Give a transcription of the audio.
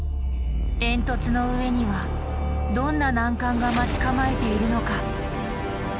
煙突の上にはどんな難関が待ち構えているのか？